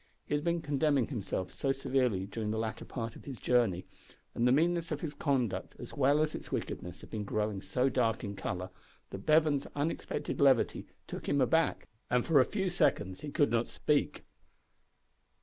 He had been condemning himself so severely during the latter part of his journey, and the meanness of his conduct as well as its wickedness had been growing so dark in colour, that Bevan's unexpected levity took him aback, and for a few seconds he could not speak.